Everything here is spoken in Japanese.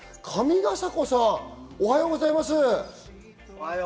上ヶ迫さん、おはようございます。